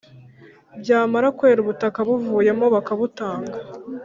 byamara kwera ubutaka buvuyemo bakabutanga